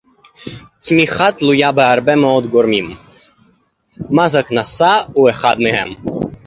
צמיחה תלויה בהרבה מאוד גורמים; מס הכנסה הוא אחד מהם